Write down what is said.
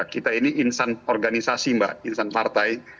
kita ini insan organisasi mbak insan partai